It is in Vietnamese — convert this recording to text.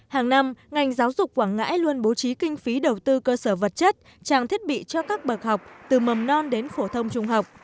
hàng năm ngành giáo dục quảng ngãi luôn bố trí kinh phí đầu tư cơ sở vật chất trang thiết bị cho các bậc học từ mầm non đến phổ thông trung học